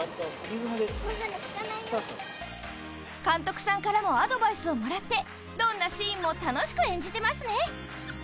監督さんからもアドバイスをもらってどんなシーンも楽しく演じてますね。